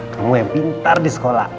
kamu yang pintar di sekolah